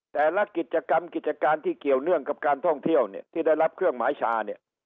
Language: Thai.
แต่ละกิจกรรมกิจการที่เกี่ยวเนื่องกับการท่องเที่ยวเนี่ยที่ได้รับเครื่องหมายชาเนี่ย